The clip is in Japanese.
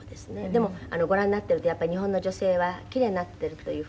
でもご覧になっているとやっぱり日本の女性は奇麗になってるというふうに。